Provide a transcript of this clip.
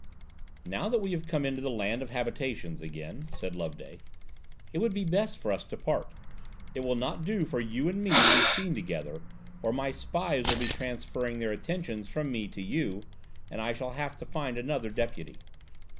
"Now that we have come into the land of habitations again," said Loveday, "it will be best for us to part. It will not do for you and me to be seen together, or my spies will be transferring their attentions from me to you, and I shall have to find another deputy.